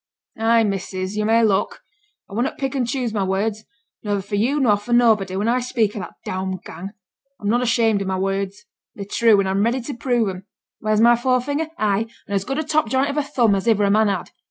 'Ay, missus, yo' may look. I wunnot pick and choose my words, noather for yo' nor for nobody, when I speak o' that daumed gang. I'm none ashamed o' my words. They're true, and I'm ready to prove 'em. Where's my forefinger? Ay! and as good a top joint of a thumb as iver a man had?